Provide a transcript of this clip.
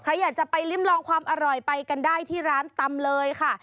ใครอยากจะไปริมลองความอร่อยไปกันได้ที่ร้านตำเลยค่ะ